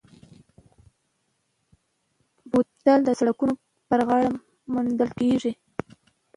بوتل د سړکونو پر غاړه موندل کېږي.